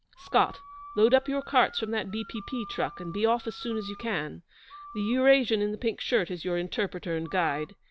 Scott, load up your carts from that B.P.P. truck, and be off as soon as you can. The Eurasian in the pink shirt is your interpreter and guide.